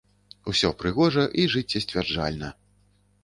Усё прыгожа і жыццесцвярджальна.